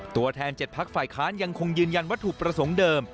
ตัวแทนเจ็ดพลักษณ์ฝ่ายค้านยังคงยืนยันว่าถูกประสงค์เดิม